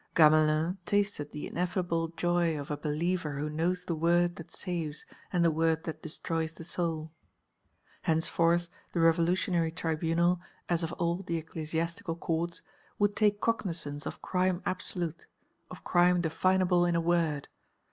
Gamelin tasted the ineffable joy of a believer who knows the word that saves and the word that destroys the soul. Henceforth the Revolutionary Tribunal, as of old the ecclesiastical courts, would take cognizance of crime absolute, of crime definable in a word.